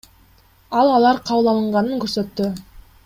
Ал алар кабыл алынганын көрсөттү.